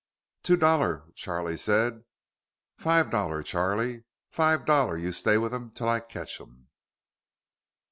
"Two dollar," Charlie said. "Five dollar, Charlie. Five dollar, you stay with 'em till I catch 'em."